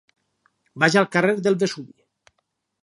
Vaig al carrer del Vesuvi.